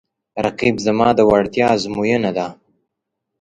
رقیب زما د وړتیا ازموینه ده